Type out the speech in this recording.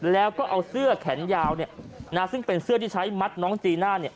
แล้วก็เอาเสื้อแขนยาวซึ่งเป็นเสื้อที่ใช้มัดน้องจีน่าเนี่ย